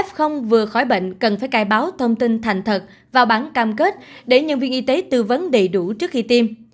f vừa khỏi bệnh cần phải cai báo thông tin thành thật và bản cam kết để nhân viên y tế tư vấn đầy đủ trước khi tiêm